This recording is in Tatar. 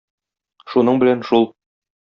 Шуның белән шул!